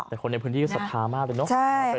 แต่คนในพื้นที่จะบทคล้ามากเลยเนาะ